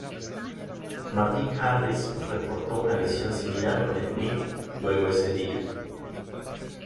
Martin Harris reportó una visión similar con Smith luego ese día.